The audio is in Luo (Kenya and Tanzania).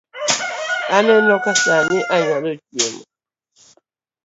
Aneno ka sani onyalo chiemo